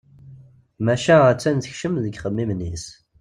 Maca a-tt-an tekcem deg yixemmimen-is.